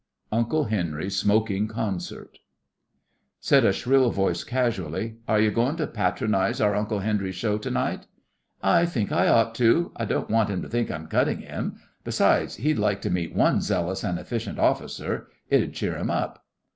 'UNCLE HENRY'S' SMOKING CONCERT Said a shrill voice casually: 'Are you goin' to patronise our Uncle Henry's show to night?' 'I think I ought to. I don't want him to think I'm cutting him. Besides, he'd like to meet one zealous an' efficient officer. It 'ud cheer him up.